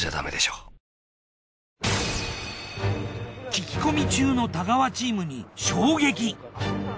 聞き込み中の太川チームに衝撃。